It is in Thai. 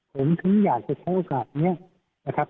ผมถึงอยากจะโทษโอกาสเนี่ยนะครับ